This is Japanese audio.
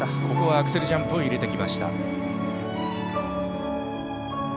ここはアクセルジャンプを入れてきました。